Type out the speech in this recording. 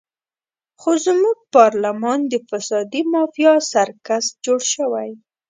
خو زموږ پارلمان د فسادي مافیا سرکس جوړ شوی.